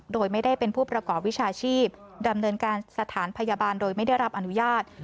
โดยไม่ได้เป็นผู้ประกอบวิชาชีพดำเนินการสถานพยาบาลโดยไม่ได้รับอนุญาต